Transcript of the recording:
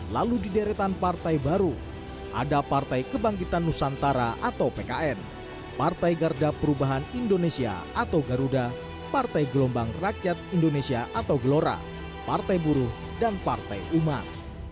lalu di deretan partai baru ada partai kebangkitan nusantara atau pkn partai garda perubahan indonesia atau garuda partai gelombang rakyat indonesia atau gelora partai buruh dan partai umat